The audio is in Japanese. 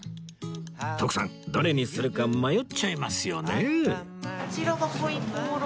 徳さんどれにするか迷っちゃいますよね